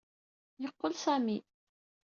Yeqqel Sami.